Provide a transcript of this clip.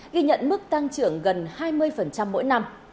ghi nhận mức tăng trưởng gần hai mươi mỗi năm